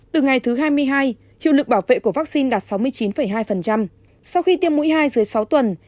từ ngày thứ hai mươi hai hiệu lực bảo vệ của vaccine đạt sáu mươi chín hai sau khi tiêm mũi hai dưới sáu tuần